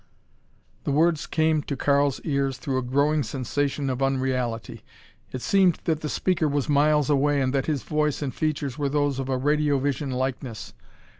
The words came to Karl's ears through a growing sensation of unreality. It seemed that the speaker was miles away and that his voice and features were those of a radiovision likeness.